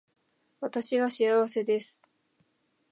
私は幸せです